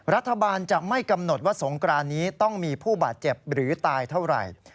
รัฐบาลจะไม่กำหนดว่าสงกรานนี้ต้องมีผู้บาดเจ็บหรือตายเท่าไหร่